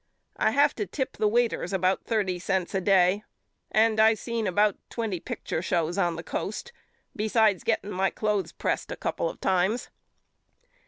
I have to tip the waiters about thirty cents a day and I seen about twenty picture shows on the coast besides getting my cloths pressed a couple of times.